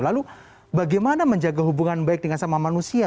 lalu bagaimana menjaga hubungan baik dengan sama manusia